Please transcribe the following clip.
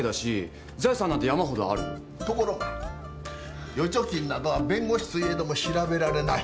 ところが預貯金などは弁護士といえども調べられない。